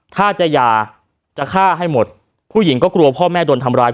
ถ้าจะหย่าจะฆ่าให้หมดผู้หญิงก็กลัวพ่อแม่โดนทำร้าย